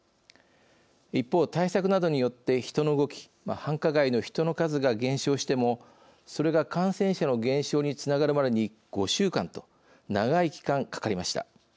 一方、対策などによって人の動き繁華街の人の数が減少してもそれが感染者の減少につながるまでに５週間と長い期間かかりました。